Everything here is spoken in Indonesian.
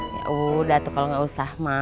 ya udah tuh kalau nggak usah ma